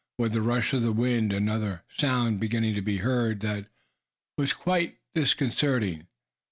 With the rush of the wind another sound began to be heard that was quite disconcerting.